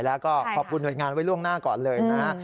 แล้วก็ขอบคุณหน่วยงานไว้ล่วงหน้าก่อนเลยนะฮะ